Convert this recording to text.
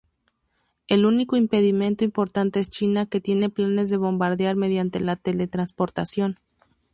El único impedimento importante es China que tiene planes de bombardear mediante la teletransportación.